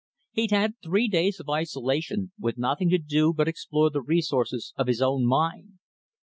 He'd had three days of isolation, with nothing to do but explore the resources of his own mind.